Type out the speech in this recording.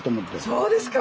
そうですか。